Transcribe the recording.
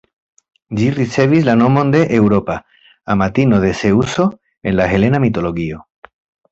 Ĝi ricevis la nomon de Eŭropa, amatino de Zeŭso en la helena mitologio.